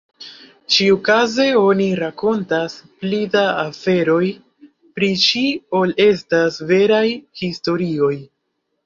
Ĉiukaze oni rakontas pli da aferoj pri ŝi ol estas veraj historioj.